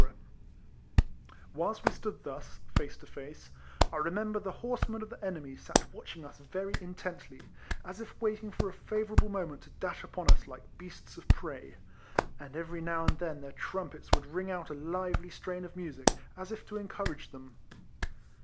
Whilst we stood thus, face to face, I re member the horsemen of the enemy sat watching us very intently, as if waiting for a favourable moment to dash upon us like beasts of prey; and every now and then their trumpets would ring out a lively strain of music, as if to encourage them.